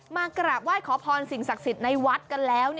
มากราบไหว้ขอพรสิ่งศักดิ์สิทธิ์ในวัดกันแล้ว